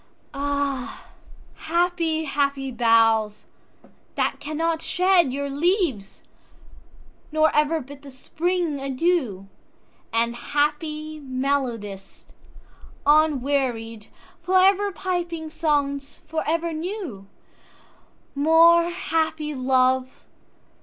3.Ah, happy, happy boughs! that cannot shedYour leaves, nor ever bid the Spring adieu; And, happy melodist, unwearied, For ever piping songs for ever new; More happy love!